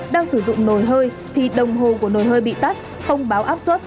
đang sử dụng nồi hơi thì đồng hồ của nồi hơi bị tắt không báo áp suất